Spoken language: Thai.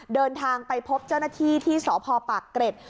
เดินทางไปพบเจ้าหน้าที่ที่สพปากเกร็ด